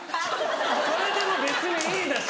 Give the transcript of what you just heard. それでも別にいいんだし！